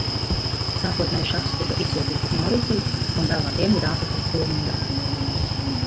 Sākotnēji šahs tika izsūtīts uz Maurīciju un vēlāk Dienvidāfriku, kur mira.